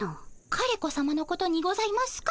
枯れ子さまのことにございますか？